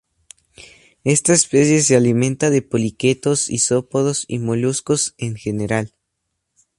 Esta especie se alimenta de poliquetos, isópodos y moluscos en general.